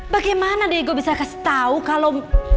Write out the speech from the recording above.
bagaimana diego bisa kasih tahu kalau